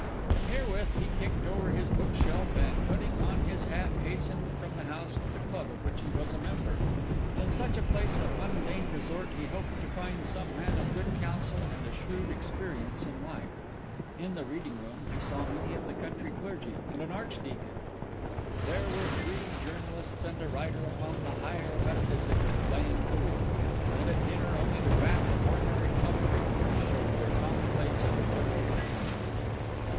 Herewith he kicked over his book shelf and, putting on his hat, hastened from the house to the club of which he was a member. In such a place of mundane resort he hoped to find some man of good counsel and a shrewd experience in life. In the reading room he saw many of the country clergy and an Archdeacon; there were three journalists and a writer upon the Higher Metaphysic, playing pool; and at dinner only the raff of ordinary club frequenters showed their commonplace and obliterated countenances.